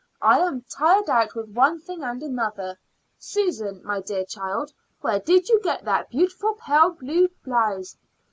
I am tired out with one thing and another. Susan, my dear child, where did you get that beautiful pale blue blouse?"